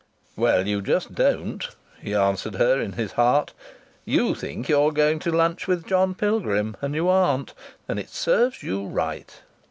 ("Well you just don't!" he answered her in his heart. "You think you're going to lunch with John Pilgrim. And you aren't. And it serves you right!")